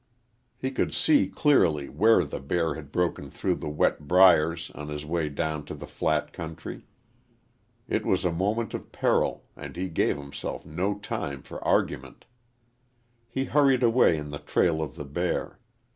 He could see clearly where the bear had broken through the wet briers on his way down to the flat country. It was a moment of peril, and he gave himself no time for argument. He hurried away in the trail of the bear.